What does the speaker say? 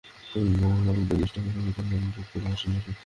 কুকুর মালিকদের দৃষ্টি আকর্ষণ করছি এখনই আপনাদের কুকুরদের মাঠে নিয়ে আসুন।